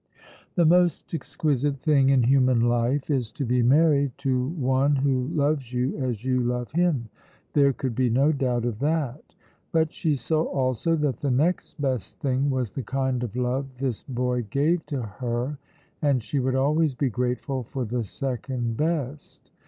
"The most exquisite thing in human life is to be married to one who loves you as you love him." There could be no doubt of that. But she saw also that the next best thing was the kind of love this boy gave to her, and she would always be grateful for the second best.